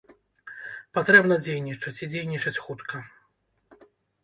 Патрэбна дзейнічаць, і дзейнічаць хутка.